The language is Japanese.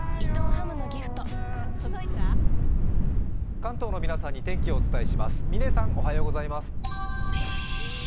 関東の皆さんに天気をお伝えします、嶺さん。